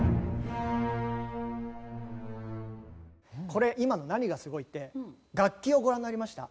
これ今の何がすごいって楽器をご覧になりました？